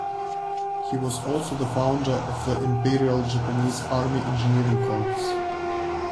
He was also the founder of the Imperial Japanese Army Engineering Corps.